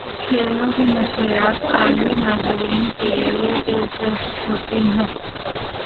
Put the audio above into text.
کھیلوں کی نشریات عالمی ناظرین کے لیے دلچسپ ہوتی ہیں۔